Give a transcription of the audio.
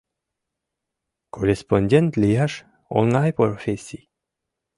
Корреспондент лияш — оҥай профессий.